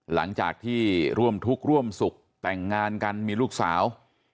หลังจากที่ร่วมทุกข์ร่วมสุขแต่งงานกันมีลูกสาว